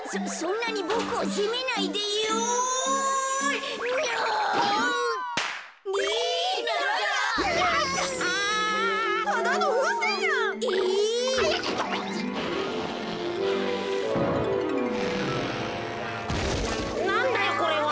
なんだよこれは。